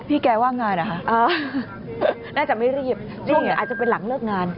แกว่างงานเหรอคะน่าจะไม่รีบช่วงนี้อาจจะเป็นหลังเลิกงาน